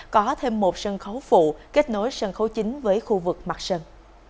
có thêm một sân khấu phụ kết nối sân khấu chính với khu vực mặt sân